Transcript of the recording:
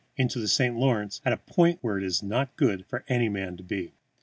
into the St. Lawrence at a point where it is not good for any man to be.